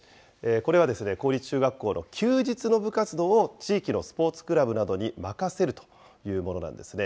これは公立中学校の休日の部活動を地域のスポーツクラブなどに任せるというものなんですね。